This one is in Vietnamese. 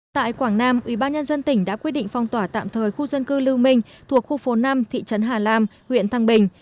tại quảng nam ubnd tỉnh đã quyết định phong tỏa tạm thời khu dân cư lưu minh thuộc khu phố năm thị trấn hà lam huyện thăng bình